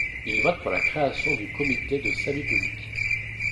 Il vote pour la création du Comité de Salut public.